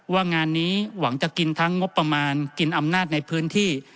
ว่างานนี้หวังจะกินทั้งงบประมาณกินอำนาจในพื้นที่